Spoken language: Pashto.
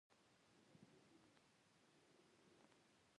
بادام د افغانستان په هره برخه کې په اسانۍ موندل کېږي.